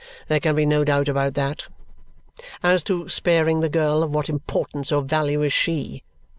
There can be no doubt about that. As to sparing the girl, of what importance or value is she?